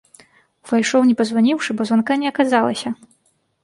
Увайшоў не пазваніўшы, бо званка не аказалася.